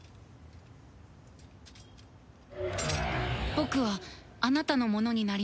僕はあなたのものになります。